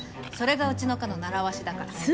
それがうちの課のならわしだから。